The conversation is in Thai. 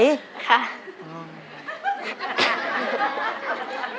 ค่ะ